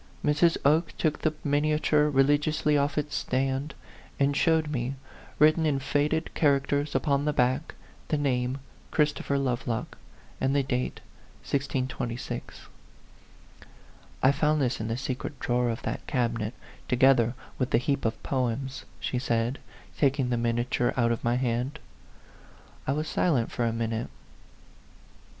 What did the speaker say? Mrs. Oke took the miniature re ligiously off its stand, and showed me, written in faded characters upon the back, the name "Christopher Lovelock," and the date 1626. " I found this in the secret drawer of that cabinet, together with the heap of poems," she said, taking the miniature out of my hand. I was silent for a minute.